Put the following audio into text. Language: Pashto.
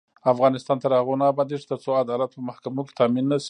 افغانستان تر هغو نه ابادیږي، ترڅو عدالت په محکمو کې تامین نشي.